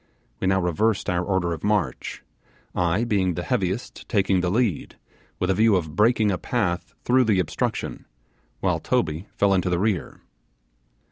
We now reversed our order of march, I, being the heaviest, taking the lead, with a view of breaking a path through the obstruction, while Toby fell into the rear.